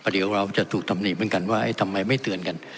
เดี๋ยวเราจะถูกตำหนิเหมือนกันว่าทำไมไม่เตือนกัน